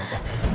baik baik baik